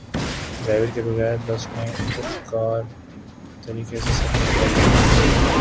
driver کے بغیر bus نے خودکار طریقے سے سفر طے کیا